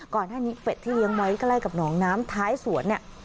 ก่อนหน้านี้เป็ดที่เลี้ยงไว้ใกล้กับหนองน้ำท้ายสวนเนี่ย